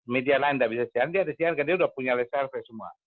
media lain tidak bisa siarin dia sudah punya listrik semua